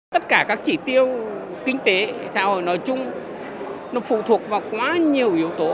tất cả các chỉ tiêu kinh tế xã hội nói chung nó phụ thuộc vào quá nhiều yếu tố